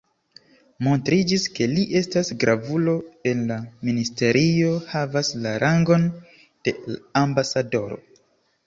Montriĝis, ke li estas gravulo en la ministerio, havas la rangon de ambasadoro.